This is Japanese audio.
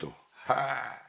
へえ。